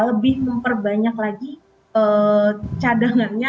lebih memperbanyak lagi cadangannya